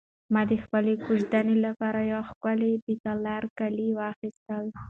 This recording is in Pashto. ما د خپلې کوژدنې لپاره یو ښکلی د تالار کالي واخیستل.